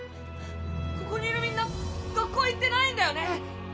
ここにいるみんな学校、行っていないんだよね。